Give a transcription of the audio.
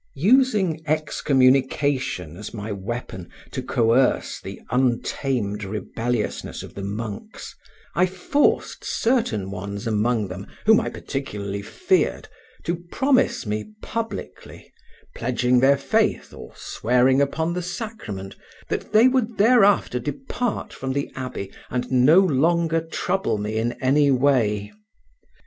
Using excommunication as my weapon to coerce the untamed rebelliousness of the monks, I forced certain ones among them whom I particularly feared to promise me publicly, pledging their faith or swearing upon the sacrament, that they would thereafter depart from the abbey and no longer trouble me in any way.